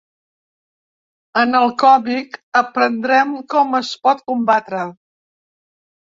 En el còmic aprendrem com es pot combatre.